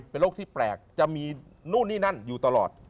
เป็นโรคที่แปลกจะมีนู่นนี่นั่นอยู่ตลอด